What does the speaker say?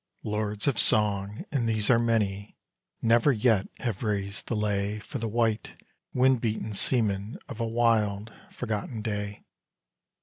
Lords of song, and these are many, never yet have raised the lay For the white, wind beaten seaman of a wild, forgotten day.